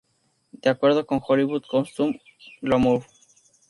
De acuerdo con "Hollywood Costume: Glamour!